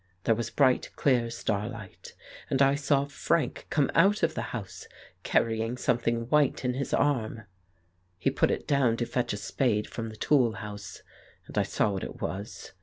There was bright clear starlight, and I saw Frank come out of the house carrying something white in his arm. He put it down to fetch a spade from the tool house, and I saw what it was.